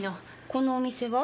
このお店は？